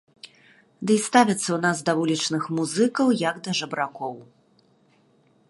Ды і ставяцца ў нас да вулічных музыкаў як да жабракоў.